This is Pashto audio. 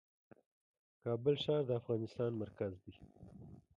کابل ښار د افغانستان مرکز دی .